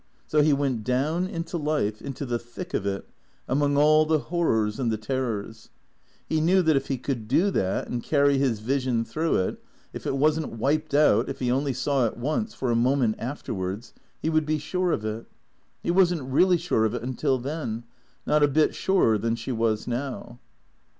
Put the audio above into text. So he went down into life, into the thick of it, among all the horrors and the terrors. He knew that if he could do that and carry his vision through it, if it was n't wiped out, if he only saw it once, for a moment afterwards, he would be sure of it. He was n't really sure of it until then, not a bit surer than she was now.